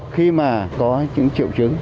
khi mà có chính trị